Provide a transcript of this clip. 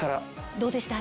どうでした？